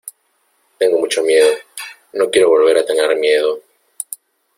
tengo mucho miedo. no quiero volver a tener miedo .